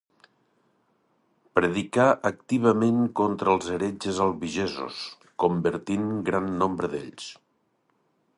Predicà activament contra els heretges albigesos, convertint gran nombre d'ells.